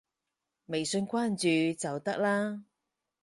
微信關注就得啦